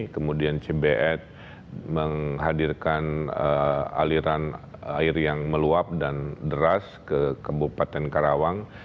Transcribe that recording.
kemudian cbf menghadirkan aliran air yang meluap dan deras ke kabupaten karawang